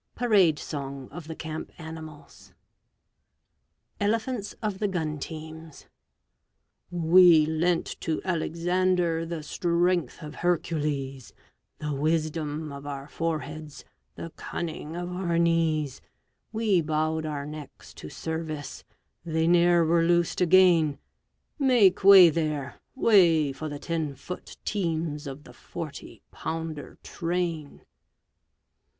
Parade Song of the Camp Animals ELEPHANTS OF THE GUN TEAMS We lent to Alexander the strength of Hercules, The wisdom of our foreheads, the cunning of our knees; We bowed our necks to service: they ne'er were loosed again, Make way there way for the ten foot teams Of the Forty Pounder train!